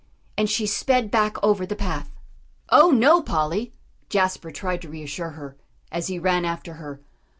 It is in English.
And she sped back over the path. "Oh, no, Polly," Jasper tried to reassure her, as he ran after her.